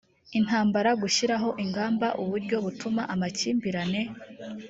intambara gushyiraho ingamba uburyo butuma amakimbirane